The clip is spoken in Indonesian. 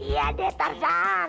iya deh tarzan